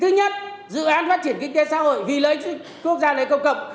thứ nhất dự án phát triển kinh tế xã hội vì lợi ích quốc gia lợi ích công cộng